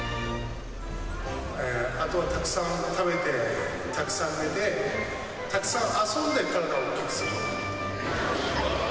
あとはたくさん食べて、たくさん寝て、たくさん遊んで、体を大きくすること。